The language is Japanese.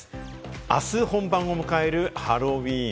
あす本番を迎えるハロウィーン。